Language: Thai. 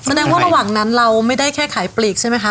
แสดงว่าระหว่างนั้นเราไม่ได้แค่ขายปลีกใช่ไหมคะ